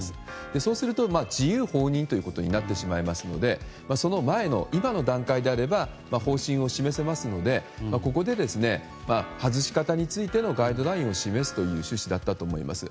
そうすると自由放任ということになってしまいますのでその前の、今の段階であれば方針を示せますのでここで、外し方についてのガイドラインを示すという趣旨だったと思います。